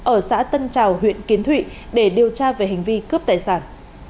ở xã tân trào huyện kiến thụy để điều tra về hành vi cướp tài sản